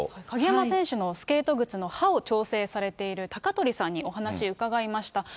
鍵山選手のスケート靴の刃を調整されている鷹取さんにお話伺いました。